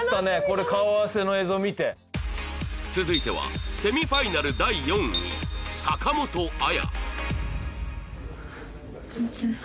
顔合わせの映像見て続いてはセミファイナル第４位坂本彩